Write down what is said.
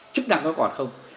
chức năng có còn không